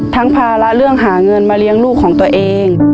ภาระเรื่องหาเงินมาเลี้ยงลูกของตัวเอง